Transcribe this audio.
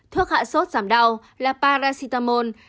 thuốc hạ sốt giảm đau là paracetamol